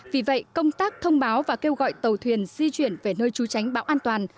vì vậy công tác thông báo và kêu gọi tàu thuyền di chuyển về nơi trú tránh bão an toàn